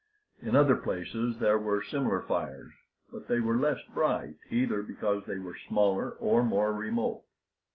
In other places there were similar fires, but they were less bright, either because they were smaller or more remote.